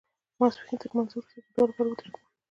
د ماسپښین تر لمانځه وروسته د دعا لپاره ودرېدو.